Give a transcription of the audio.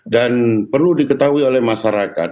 dan perlu diketahui oleh masyarakat